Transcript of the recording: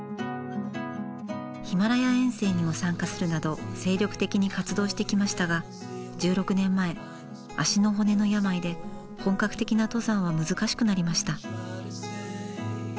ヒマラヤ遠征にも参加するなど精力的に活動してきましたが１６年前足の骨の病で本格的な登山は難しくなりました。